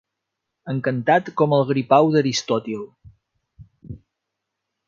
Encantat com el gripau d'Aristòtil.